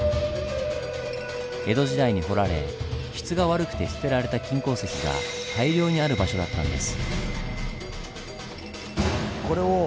江戸時代に掘られ質が悪くて捨てられた金鉱石が大量にある場所だったんです。